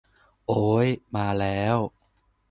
โอ้ย มาแล้ว